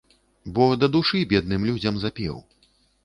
Бо да душы бедным людзям запеў.